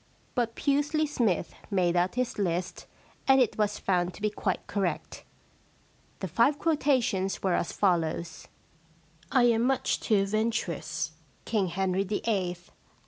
But Pusely Smythe made out his list and it was found to be quite correct. The five quotations were as follows :—* I am much too venturous,' Kirtg Henry FIIL^ Act I, Scene ii.